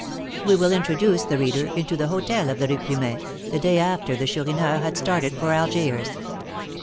We will introduce the reader into the hôtel of the Rue Plumet, the day after the Chourineur had started for Algiers.